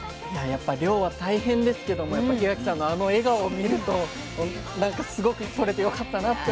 やっぱ漁は大変ですけども檜垣さんのあの笑顔を見るとすごくとれてよかったなって思いました。